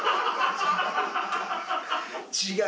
違う。